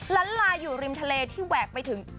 ล้านลาอยู่ริมทะเลที่แหวกไปถึง